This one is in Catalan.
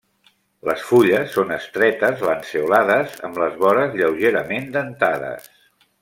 Les fulles són estretes, lanceolades, amb les vores lleugerament dentades.